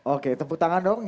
oke tepuk tangan dong